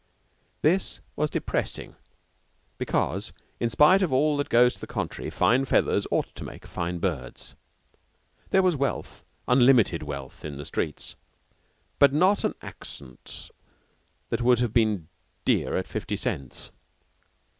This was depressing because, in spite of all that goes to the contrary, fine feathers ought to make fine birds. There was wealth unlimited wealth in the streets, but not an accent that would not have been dear at fifty cents.